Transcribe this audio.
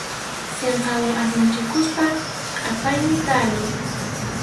Sinqawan asnachikuspa qʼapaynin tariy.